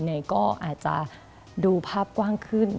ก็อาจจะดูภาพกว้างขึ้น